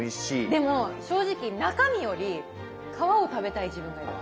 でも正直中身より皮を食べたい自分がいます。